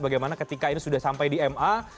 bagaimana ketika ini sudah sampai di ma